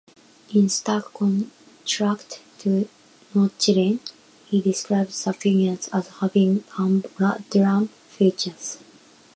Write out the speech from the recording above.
In stark contrast to Nochlin, he describes the figures as having humdrum features.